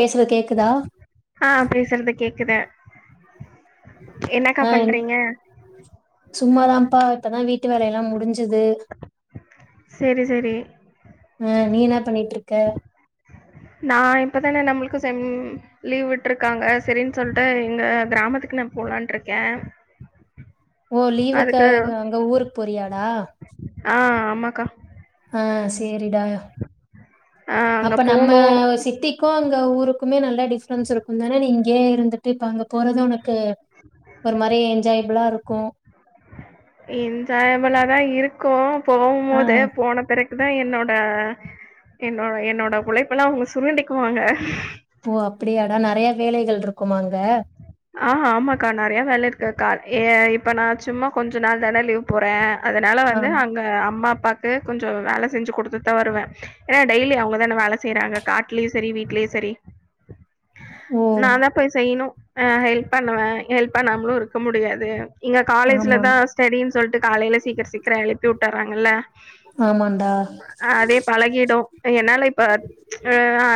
பேசுறது கேக்குதா ஆ பேசுறது ஆ என்னக்கா பண்றீங்க சும்மாதாப்பா இப்பதா வீட்டு வேலையெல்லா முடிஞ்சது சேரி சேரி அ நீ என்ன பண்ணிட்டுருக்க க்க நா இப்பதான நம்மளுக்கு செம் லீவ் விட்டுருக்காங்க செரின்னு சொல்லிட்டு எங்க கிராமத்துக்கு நா போலான்ட்டு இருக்கே ஓ லீவுக்கு க அங்க ஊருக்கு போறியாடா ம்மாக்கா ஆ சேரிடா ஆ அங்க அப்ப நம்ம போனு சிட்டிக்கு அங்க ஊருக்குமே நல்ல டிப்ரென்ஸ் இருக்கு தான நீங் இங்கே இருந்துட்டு இப்ப அங்க போறத உனக் க் ஒரு மாரி என்ஜாய் ஃபுல்லா இருக்கு கோ ஆ போம்போத போன பிறக் இதா என்னோட என்னோட என்னோட உழைப்பெல்லா அவுங்க சுரடிக்குவாங்க ஓ அப்பிடியாடா நெறைய வேலைகள் இருக்குமா அங்க ஆ ஆமாக்கா நெறைய வேல இருக்குக்கா இ இப்ப நா சும்மா கொஞ்சோ நாள் தான லீவ் போறே அதனால வந்து ஆம் அங்க அம்மா அப்பா க் கொஞ்சோ வேல செஞ்சி குடுத்துதா வருவேன் ஏனா டெய்லி அவுங்கதான வேல செய்யறாங்க காட்டுலயு சேரி வீட்லியு சேரி ஓ நா தா போய் செய்ணு நா ஹெல்ப் பண்ணுவே ஹெல்ப் பண்ணாமலு இருக்க முடியாது இங்க காலேஜ்ல ஆமா தா ஸ்டடின் சொல்லிட்டு காலையில சீக்கிர சீக்கிர எழிப்பிவுட்ட றாங்கல்ல ஆமாண்டா அதே பழகிடு என்னால இப்ப ஆ ஆ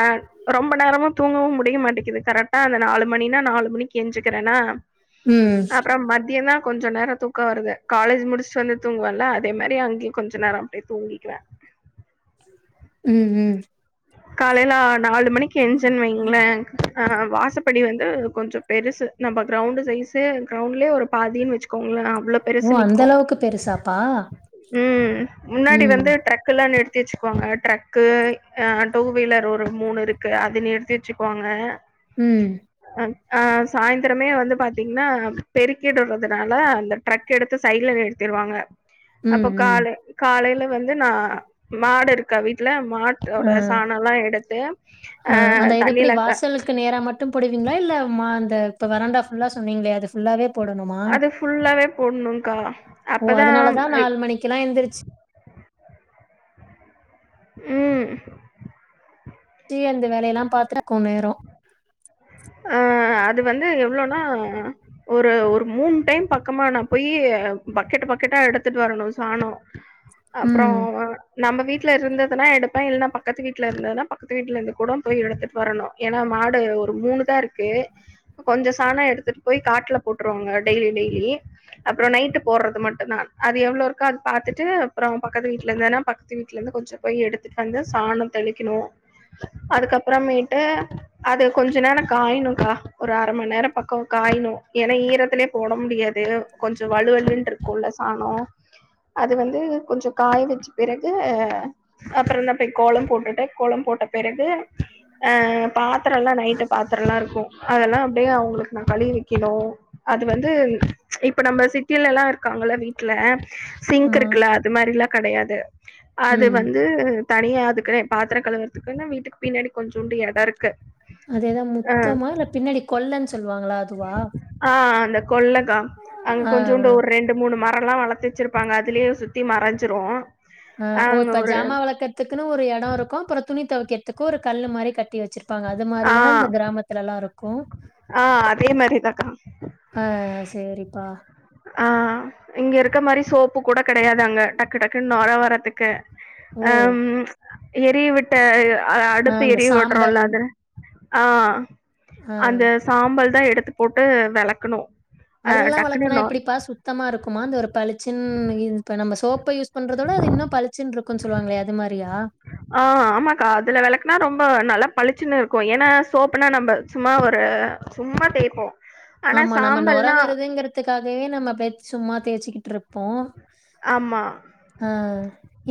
ரொம்ப நேரமு தூங்கவு முடிய மாட்டகிது கரெக்டா அந்த நாலுமணினா நாலு முணிக்கு எஞ்சுகிறனா ம் அப்றோ மத்தியந்தா கொஞ்ச நேர தூக்கா வருது காலேஜ் முடிச்சுட்டு வந்து தூங்குவன்ல அதே மாரி அங்கியு கொஞ்ச நேரோ அப்டியே தூங்கிக்குவே உ உ காலேல ஆர் நாலு மணிக்கு எஞ்சன் வைங்களே ஆ வாசப்படி வந்து கொஞ்ச பெருசு நம்ம கிரௌண்டு் சைஸு கிரௌண்ட்லயே ஒரு பாதினு வச்சுக்கோங்ளே இவ்ளோ ஓ பெருசு அந்த நீகொ அளவுக்கு பெருசாப்பா உ முன்னாடி ம் வந்து ட்ரக்குல்லா நிருத் தேச்சுக்குவாங்க ட்ரக்கு ஆ டுவீலர் ஒரு மூணு இருக்கு அத நிறுத்தி வச்சுக்குவாங்க உ ஆ சாயந்திரமே வந்து பாத்தீங்கன்னா பெருக்கிடுறதுனால அந்த ட்ரக் எடுத்து சைடல நிறுத்தடுவாங்க ம் அப்போ ம் காளை காலையில வந்து நா மாடு இருக்க வீட்டுல மாட்டோடஸ் அ அந்த எது எப்டி தண்ணில க வாசலுக்கு நேரா மட்டு போடுவீங்களா இல்ல மா அந்த இப்ப வறண்டா ஃபுல்லா சொன்னங்களே அதுஃபுல்லாவே அது ஃபுல்லாவே போட்ணுகா ஓ! அப்தா அதனால தான் அய் மணிக்கெல்லாம் எந்திரிச்சு உ டி அந்த வேலைலா பாத்துருக்கு நேறோ அஅது வந்து எவ்ளோனா ஒரு ஒரு மூணு டைம் பக்கமா நா போயி பக்கெட் பக்கெட்டா எடுத்துட்டு வரணு சானோ அப்றோ ம். நம்மவீட் இருந்ததுனா எடுப்பே இல்னா பக்கத்துவீட்ல இருந்ததுனா பக்கத்து வீட்லஇருந்து கூட போயி எடுத்துட்டு வரணு ஏனா மாடு ஒரு மூணு தா இருக்கு கொஞ்ச சாண எடுத்துட்டு போயி காட்டுல போட்டுருவாங்க டெய்லி டெய்லி அப்புற நைட்டு போடுறது மட்டு தா அது எவ்ள இருக்கோ அது பாத்துட்டு அப்புறோ பக்கத்து வீட்டுல இருந்தன்னா பக்கத்து வீட்டுல இருந்து கொஞ்ச போய் எடுத்துட்டு வந்து சாண தெளிக்கணு அதுக்கப்புறமேட்டு அது கொஞ்ச நேர காயினுக்கா ஒரு அர மண் நேர பக்கோ காயணு ஏன்னா ஈர லே போட முடியாது கொஞ்ச வலுவலு இருக்குல சாணோ அது வந்து கொஞ்ச காய வச்சு பிறகு ஆ அப்புறந்தா போய் கோலோ போட்டுட்டு கோலம் போட்ட பிறகு ஆ பாத்துரல்லா நைட்டு நல்லாருக்கு அதல்லா அப்டியே அவுங்களுக்கு நா கழுவி வக்கனு அது வந்து இப்ப நம்ம சிட்டியிலல்லா இருக்காங்கல்ல வீட்ல சிங்க் ஆமா. இருக்குல்ல அது மாரில்லா கடையாது அது ம். வந்து தனியா அதுக்குனே பாத்திர கழுவுறதுக்குன்னு வீட்டுக்கு பின்னாடி கொஞ்சூன்டு எட இருக்கு அது ஏதோ ஆ முத்தமா இல்ல பின்னாடி கொல்லன் சொல்வாங்கள அதுவா? கொல்ல தா அங் ஆ, ஆ, கொஞ்சூண்டு ஒர் ரெண்டு மூணு மரல்ல வள த்து வச்சாருப்பாங்க அதுலயே சுத்தி மறஞ்சிரு ஆ ஓ இப்ப ஜாமா வெலக்கற்துக்குனு ஒரு எடொ இருக்கு அப்புறொ துணி தொவைக்கற்த்துக்கு ஒரு கல்லு மாரி கட் டி வச்சுருப்பாங்க அது ஆ மாரிதான இந்த கிராமத்துலல்லா இரு க்கு ஆ அதே மாரிதாக்கா ஆ சரிப்பா. ஆ இங்க இருக்க மாரி சோப்பு கூட கடையாது அங்க டக்கு டக்குன் நொர வரத்துக்கு ஓ! அ அம் எரிய விட்ட அ ஆ அடுப்பு அந்த எரிய சாம்பல். வுட்றோல்ல அதென ஆ ஆ. அந்த சாம்பல் தா எடு த்து போட்டு வெலக்கனு அதுலல்லா வலக்குனா எப்பிடிப்பா சுத் தமா இருக்குமா அந்த ஒரு பளிச்சின் இ இப்ப நம்ப சோப்ப யூஸ் பண்றத விட அது இன்னு பளிச்சுன் இருக்குன் சொல்வாங்களே அது மாரியா? ஆ ஆமாக்கா அதுல வெலக்குனா ரொம்ப ந ல்லா பளிச்சுன்னு இருக்கு ஏனா சோப்புனா நம்ப சும்மா ஒரு சும்மா தேய்ப்போ ஆனா ஆமா நம்ம நொர சாம்பல்னா வருதுங்கிறத்துக்காகவே நம்ம பே சும்மா தேச்சுகிட்ருப்போ ஆமா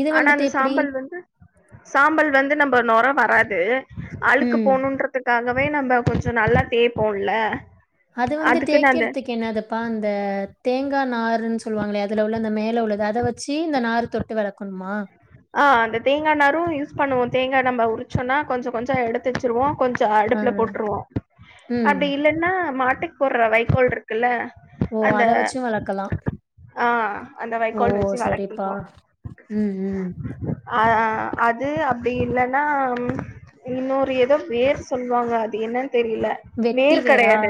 இது ஆனா வந்துட்டு அந்த எப்டி சாம்பல் வந்து சாம்பல் வந்து நம்ப நொர வராது அழுக்கு ம் போனுன்றத்துக்காக வே நம்ப கொஞ்சோ நல்லா தேய்ப்போம்ல அது வந்து தேய்கறதுக்கு என்னாது பா அந்த தேங்கா நார்ன்னு சொல்லுவாங்களே அதுல உள்ள அந்த மேலே உள்ளது அத வச்சு இந்த நார தொட்டு வெளக்கணுமா ஆ அந்த தேங்கா நாரு யூஸ் பண்ணுவோ தேங்கா நம்ப உரிச்சோம்னா கொஞ்சோ கொஞ்சோ எடுத்துவச்சிருவோ கொஞ்சோ ஆ அடுப்ல போட்டுருவோ ம் அப்டி இல்லைன்னா மா மாட்டுக்கு போட்ற வைகோல் இருக்குல்ல ஓ அந்த அத வச்சும் வெளக்கலா ஆ அந்த ஓ வைக்கோல் வச்சு வெலக்கிக்குவோ உம் அ அது அப்டி இல்லன்னா இன்னொரு ஏதோ வேர் சொல்லுவாங்க அது என்னன்னு தெரில வெட்டி வேர் வேரா கெடயாது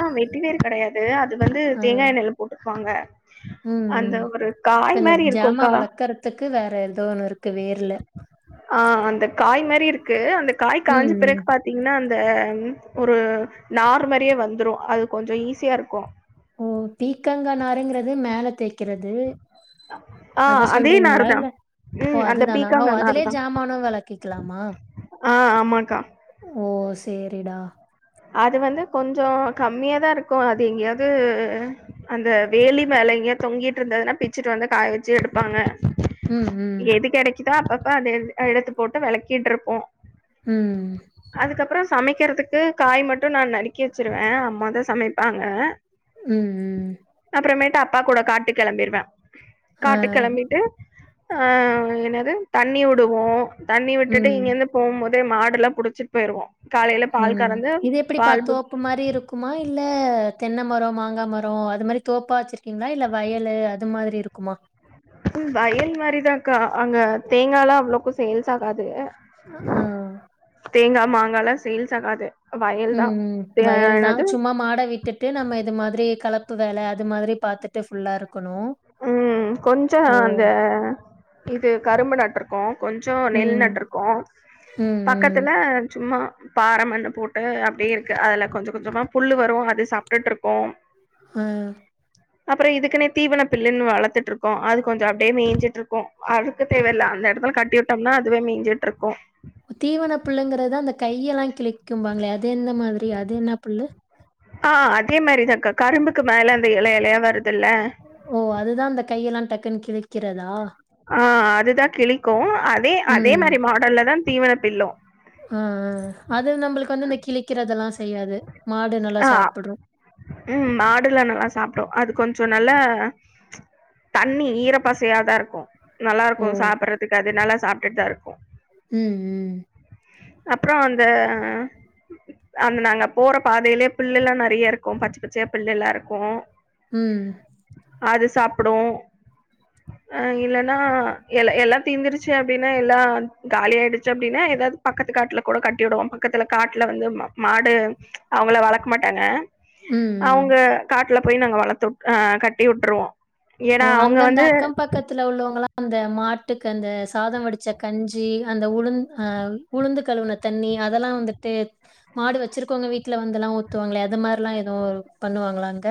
ஆ வெட்டி வேர் கெடயாது அது வந்து ஆ தேங்காய் எண்ணெயில போட்டுருப்பாங்க ம் ம் அந்த ஒரு காய் மாரி இருக்குங்க்கா த்துக்கு வேற ஏதோ ஒன்னு இருக்கு வேர்ல ஆ அந்த காய் மாரி இருக்கு அந்த காய் ம் காஞ்ச ம் பிறகு பாத்தீங்கனா இந்த ஒரு நார்மறியே வந்துரு அது கொஞ்சோ ஈஸியா இருக்கு ஓ பீக்கங்கா நாருங்கிறது மேல தேக்கு ஆ அத அதே நாரு சொல்றீங்களா தா இல்ல ஓ ம் அந்த அதுதானா பீக்காங்கா நாரு அதுலயே தா ஜமானு வெளக்கிக்கலாமா ஆ ஆமாக்கா ஓ சேரிடா அது வந்து கொஞ்சோ கம்மியாதா இருக்கு அது எங்கேயாவது அந்த வேலி மேல எங்கேயோ தொங்கிட்டு இருந்ததுன்னா பிச்சுட்டு வந்து காய வச்சு எடுப்பாங்க உம் உம் இதா அப்பப்ப அத எடுத்து போட்டு வெளக்கிட்டு இருப்போ உம் சமைக்குறதுக்கு காய் மட்டு நா நறுக்கி வச்சிருவே அம்மாதா சமைப்பாங்க உம் உம் அப்ற மேட்டு அப்பா கூட காட்டுக்கு கெளம்பிடுவே ஆ காட்டுக்கு கெளம்பிட்டு ஆ என்னது தண்ணி விடுவோ தண்ணி விட்டுட்டு ம் இங்கிருந்து போகும் போது அப்டியே மாடெல்லா புடிச்சிட்டு போயிருவோ காலேல பால் ம் கறந்து இது எப்படி பால் பாத்து தோப்பு மாரி இருக்குமா இல்ல தென்னை மரம் மாங்காய் மரம் அது மாரி தோப்பா வச்சிருக்கீங்களா இல்ல வயலு அது மாரி இருக்குமா வயல் மாரிதான்க்கா அங்க தேங்காய் எல்லாம் அவ்வளவுக்கும் சேல்ஸ் ஆகாது ஆ தேங்காய் மாங்காய்லாம் சேல்ஸ் ஆகாது வயல் தா ம் ம் வயல் தான் என்னது சும்மா மாடை விட்டுட்டு நம்ம இது மாரி ஒரே கலப்பு வேலை அது மாதிரி பார்த்தட்டு ஃபுல்லா இருக் ம் கொஞ்சம் அந்த இது கரும்பு நட் டுருக்கோம் கொஞ்சம் நெல் ம், நட்டுருக்கோம் ம், ம். பக்கத்துல சும்மா பாறை மண்ணு போட்டு அப்படியே இருக்கு அதுல கொஞ்சம் கொஞ்சமா புல்லு வரும் அது சாப்பிட்டுட்டு இருக்கோம் ம் அப்புறம் இதுக்குனே தீவனம் பில்லுனு வளர்த்துட்டு இருக்கக்கோம் அது கொஞ்சம் அப்படியே மேய்ஞ்சிட்டு இருக்கும் அதுக்கு தேவயில்லை அந்த இடத்துல கட்டி விட்டோம்னா அதுவே மேஞ்சிட்டு இருக்கும் தீவன புள்ளுங்கறது அந்த கையெல்லாம் கிளிக்கும்பாங்களே அது எந்த மாதிரி அது என்ன புல்லு ஆ அதே மாரிதாக்கா கரும்புக்கு மேல அந்த இல இலையா வரு ஓ அதுதான் இந்த கையெல்லாம் டக் அக்கன் கிளிக்கிறதா ஆ அதுதான் கிளிக்கும் அதே அதே ம். மாதிரி மாடல்ல தான் தீவன பில்லும் ஆ ஆ அது நம்மளுக்கு வந்து அந்த கிளிக்கிறதுதெல்லாம் ஆ ம் மாடுயெல்லா நல்லா சாப்பிடும் அதுக்கொஞ்சம் சோ நல்லா தண்ணி ஈரப்பசையாதான் இருக்கும் நல்லா ஓ! இருக்கும் சாப்பிடுறதுக்கு அது நல்லா சாப் இதா இருக்கும் ம் ம் அப்புறம் அந்த அந்த நாங்க போற பாதையிலயே புள்ளு எல்லாம் நிறைய இருக்கும் பச்சை பச்சையா புள்ளுல்லாம் இருக்கும் ம் அது சாப்பிடும் அ இல்லைன்னா எ எல்லாம் தீந்துருச்சு அப்படின்னா எல்லாம் காலி ஆயிடுச்சு அப்படின்னா ஏதாவது பக்கத்து காட்டுல கூட கட்டி விடுவோம் பக்கத்துல காட்டுல வந்து மாடு அவுங்களாம் வளர்க்க மாட்டாங்க ம், ம். அவுங்க காட் த்துல போய் நாங்க வளத்துட் ஆ கட்டி வுட்ருவோ ஓ அங்கந்த அக்கம் பக்கத்துல உள்ளவுங்களா அந்த மாட்டுக்கு அந்த சாத வடுச்ச கஞ்சி அந்த உளுந் அ உளுந்து கழுவுன தண்ணி அதெல்லா வந்துட்டு மாடு வச்சுருக்கவுங்க வீட்ல வந்துல்லா ஊத்துவாங்ளே அது மார்லா எதுவு பண்ணுவாங்களா அங்க?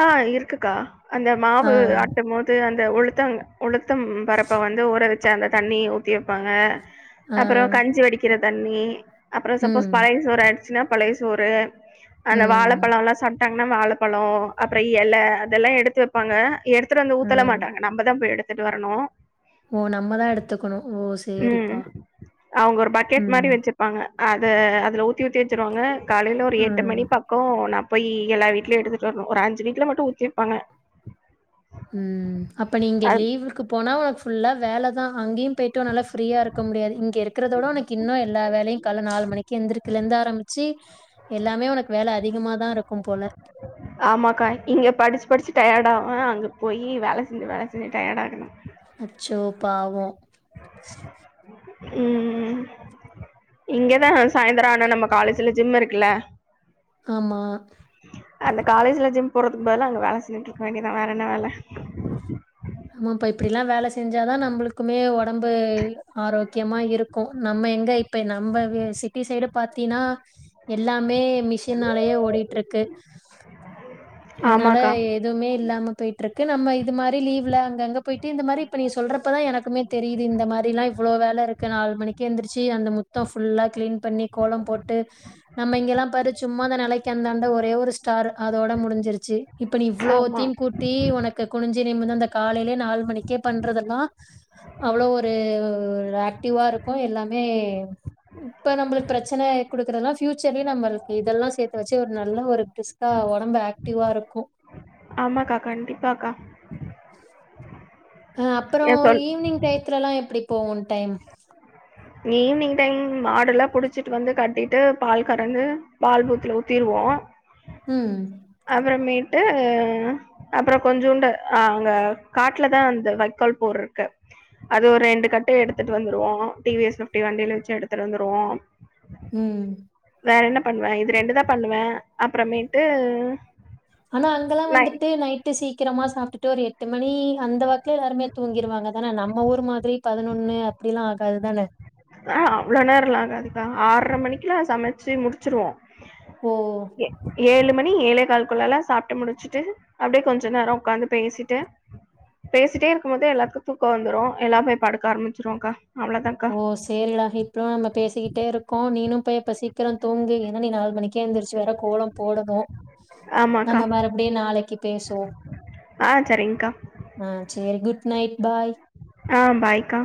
ஆ இருக்குக்கா அந்த ஆ, மாவு ஆட்டும்மோ து அந்த உளுத்த உளுத்தம் பருப்ப வந்து ஊறவச்ச அந்த தண்ணி ஊ த்தி வப்பாங்க ஆ. அப்பறொ கஞ்சி வடிக்கிற தண்ணி அப்றொ சப்போஸ் ம், பழைய சோறு ஆ ச்சுனா பழைய சோறு அந்த ம், வாழப்பழொல்லா சாப் டாங்னா வாழப்பழோ அப்றொ எல அதல்லா எடுத்து வப்பாங்க எடுத்துட்டு வந்து ஆ. ஊத்தலா மாட்டாங்க நம்ம தா போய் எடு த்துட்டு வர்னு ஓ நம்மதா எடுத்துக்கனு ம் அவுங்க ஒரு பக்கெட் ம், மாரி வச்சுருப்பாங்க அத அதுல ஊத்தி ஊத்தி வச்சுருவாங்க காலைல ஒரு எட்டு ஆ. மணி பக்கொ நா போயி எல்லா வீட்லயு எடுத்துட்டு வர்னு ஒரு அஞ்சு வீட்ல மட்டு ஊத்தி வப்பாங்க ம் அப்ப நீங்க லீவுக்கு போனா ஒரு ஃபுல்லா வேல தா அங்கயு போய்ட்டு நல்லா ஃப்ரீயா இருக்க முடியாது இங்க இருக்கிறதோட உனக்கு இன்னு எல்லா வேலையு கால்ல நாலு மணிக்கு எந்திரிக்கெலந்து ஆரமிச்சி எல்லாமே உனக்கு வேல அ ஆமாக்கா இங்க படிச்சு படிச்சு டயர்டாவே அங்க போயி வேல செஞ்சு வேல செஞ்சு டயர்ட் ஆகனு அச்சோ பாவொ ம் இங்கதா சாயந்தர ஆனா நம்ம காலேஜுல ஜிம் இருக்குல்ல ஆமா அந்த காலேஜுல ஜிம் போறதுக்கு பதிலா அங்க வேல செஞ்சுட்ருக்க வேண்டியதா வேற என்ன வேல ஆமாப்பா இப்டிலா வேல செஞ்சாதா நம்பளுக்குமே ஒடம்பு ஆரோக்கியமா இருக்கு நம்ம எங்க இப்ப நம்ப வெ சிட்டி சைடு பாத்தீன்னா எல்லாமே மிஷினாலயே ஓடிட்ருக்கு அதுனால ஆமாக்கா எதுவ்மே இல்லாம போயிட்ரு க்கு நம்ம இது மாரி லீவ் ஃபுல்லா அங்கங்க போயிட்டு இந்த மாரி இப்ப நீ சொல்றப்பதா எனக்குமே தெரியுது இந்த மாரிலா இவ்ளோ வேல இருக்கு நாலு மணிக்கே எந்திரிச்சு அந்த முத்தோ ஃபுல்லா கிளீன் பண்ணி கோலம் போட்டு நம்ம இங்கெல்லா பாரு சும்மா அந்த நெலைக்கி அந்தாண்ட ஒரே ஒரு ஸ்டாரு அதோட முடிஞ்சிருச்சி இப்ப நீ ஆமா இவ்ளோத்தையு கூட்டி உனக்கு குனிஞ்சு நிமுந்து அந்த காலைலயே நாலு மணிக்கே பண்றதெல்லா அவ்ளோ ஒரு ஆக்டிவா இருக்கு எல்லாமே இப்ப நம்பளுக்கு பிரச்சன குடுக்குறதல்லா ஃபியூச்சர்லயு நம்மளுக்கு இதெல்லா சேத்து வச்சு ஒரு நல்ல ஒரு பிரிஸ்க்கா ஒடம்பு ஆக்டிவா இருக்கு ஆமாக்கா கண்டிப்பாக்கா [inaudible] ஆ அப்புறோ ஏன் சொல் ஈவி்னிங் டயத்துல எல்லா எப்பிடி போகு டைம் ஈவி்னிங் டைம் மாடெல்லா புடிச்சிட்டு வந்து கட்டிட்டு பால் கறந்து பால் பூத்துல ஊத்திருவோ ம். அப்புறமே ட்டு அப்புறோ கொஞ்சூண்டு் அங்க காட்லதா அந்த வைக்கோல் போர் இருக்கு அது ஒரு ரெண்டு கட்டு எடுத்துட்டு வந்துருவோ டி வி எஸ் ஃபிப்டி வண்டில வச்சு எடுத்துட்டு வந்து ருவோ ம் வேற என்ன பண்ணுவே இது ரெண்டுதா பண்ணுவே அப்புறமேட்டு ஆனா அங்கெல்லா நை வந்துட்டு நைட்டு சீ க்கிரமா சாப்டுட்டு ஒரு எட்டு மணி அந்த வாக்குலயே எல்லாருமே தூங்கிருவாங்க தான நம்ம ஊர் மாதிரி பதனொன்னு அப்டி எல்லா ஆகாதுதான ஆ அவ்ளோ நேரல்லா ஆகாதுக்கா ஆறரை மணிக்கெல்லா சமைச்சு முடிச்சிருவோ ஓ! எ ஏழு ம ணி ஏழேகால்க்குள்ள எல்லா சாப்ட்டு முடிச்சுட்டு அப்டியே கொஞ்ச நேரோ உக்காந்து பேசிட்டு பேசிட்டே இருக்கும் போது எல்லாத்துக்கு தூக்கோ வந்துரு எல்லாரு போய் படுக்க ஆரம்பச்சிருவோங்க்கா அவ்ளோதாக்கா எல்லா [unintelligible] நமக் பேசிக்கிட்டே இருக்கோ நீனு போய் அப்ப சீக்கிரோ தூங்கு ஏன்னா நீ நாலு மணிக்கு எந்திருச்சு வேற கோலம் போடணு நம்ம ஆமாக்கா மறுபடியு நாளைக்கி பேசுவோ ஆ சரிங்க்கா ஆ சேரி குட் குட் நைட் பாய் ஆ பாய்க்கா